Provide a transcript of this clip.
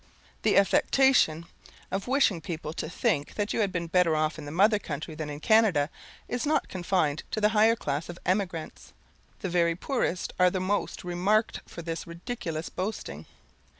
The affectation of wishing people to think that you had been better off in the mother country than in Canada, is not confined to the higher class of emigrants. The very poorest are the most remarked for this ridiculous boasting.